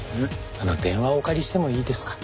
あの電話をお借りしてもいいですか？